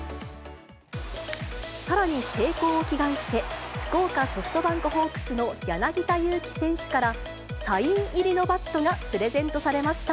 さらに成功を祈願して福岡ソフトバンクホークスの柳田悠岐選手からサイン入りのバットがプレゼントされました。